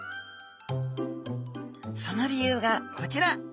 その理由がこちら。